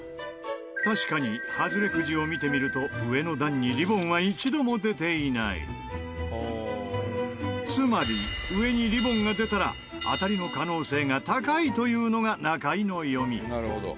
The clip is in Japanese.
確かにハズレくじを見てみるとつまり上にリボンが出たら当たりの可能性が高いというのが中井の読み。